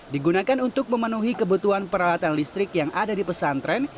digunakan untuk memenuhi kebutuhan peralatan listrik yang ada di pesantren